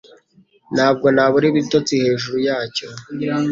Ntabwo nabura ibitotsi hejuru yacyo